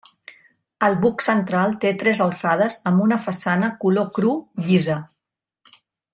El buc central té tres alçades amb una façana color cru llisa.